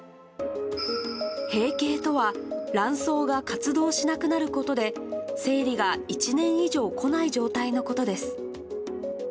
閉経とは、卵巣が活動しなくなることで、生理が１年以上来ない状態のことです。